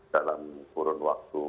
dalam kurun waktu